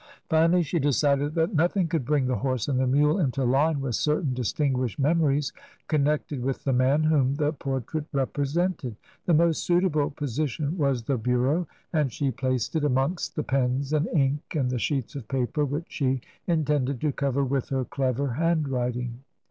Finally she decided that nothing could bring the horse and the mule into line with certain dis tinguished memories connected with the man whom the portrait represented ; the most suitable position was the bureau, and she placed it amongst the pens and ink and the sheets of paper which she intended to cover with her clever handwriting.